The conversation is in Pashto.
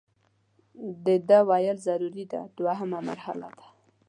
د دې ویل ضروري دي دوهمه مرحله ده.